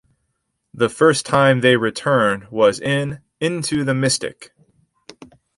The first time they returned was in "Into The Mystic".